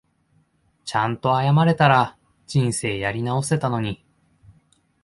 ちゃんと謝れたら人生やり直せたのに